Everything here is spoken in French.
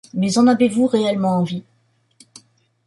Mais en avez-vous réellement envie?